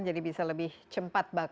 jadi bisa lebih cepat